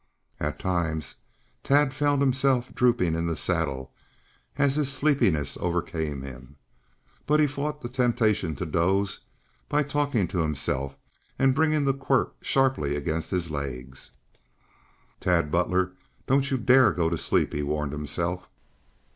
At times Tad found himself drooping in his saddle as his sleepiness overcame him. But he fought the temptation to doze by talking to himself and bringing the quirt sharply against his legs. "Tad Butler, don't you dare to go to sleep!" he warned himself.